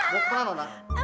mau pergi mana